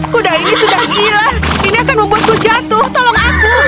kuda ini sudah gila ini akan membuatku jatuh tolong aku